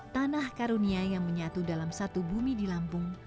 tanah karunia yang menyatu dalam satu bumi di lampung